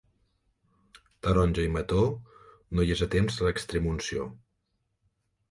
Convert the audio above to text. Taronja i mató, no hi és a temps l'extremunció.